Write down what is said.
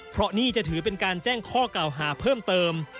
เพราะนี่จะถือเป็นการแจ้งข้อเก่าหาเพิ่มเติม